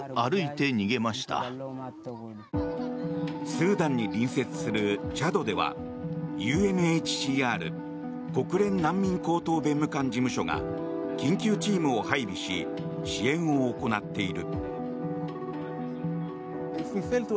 スーダンに隣接するチャドではＵＮＨＣＲ・国連難民高等弁務官事務所が緊急チームを配備し支援を行っている。